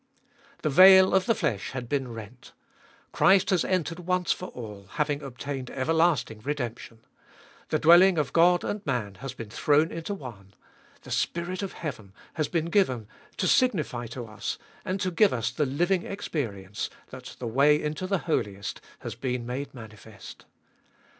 The veil of the flesh has been rent ; Christ has entered once for all, having obtained everlasting redemption ; the dwelling of God and man has been thrown into one ; the Spirit of heaven has been given to signify to us, and to give us the living experience, that the way into the Holiest has been made manifest.